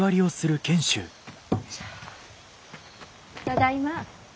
ただいま。